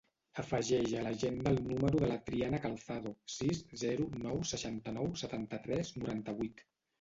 Afegeix a l'agenda el número de la Triana Calzado: sis, zero, nou, seixanta-nou, setanta-tres, noranta-vuit.